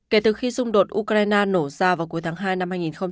kể từ khi xung đột ukraine nổ ra vào cuối tháng hai năm hai nghìn hai mươi ba